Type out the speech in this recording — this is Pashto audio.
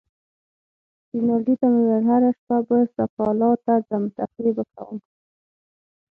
رینالډي ته مې وویل: هره شپه به سکالا ته ځم، تفریح به کوم.